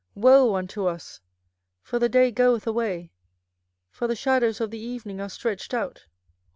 Woe unto us! for the day goeth away, for the shadows of the evening are stretched out.